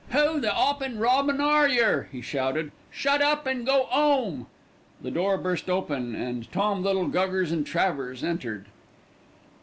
"Who the 'oppin' robin are yer?" he shouted; "shut up and go 'ome." The door burst open, and Tom Little, Guggers, and Travers entered.